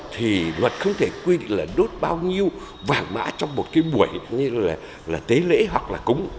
thì luật không thể quy định là đốt bao nhiêu vàng mã trong một cái buổi như là tế lễ hoặc là cúng